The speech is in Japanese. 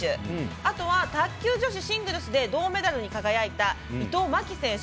あとは、卓球女子シングルスで銅メダルに輝いた伊藤槙紀選手。